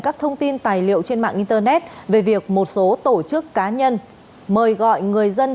các thông tin tài liệu trên mạng internet về việc một số tổ chức cá nhân mời gọi người dân